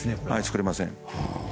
作れません。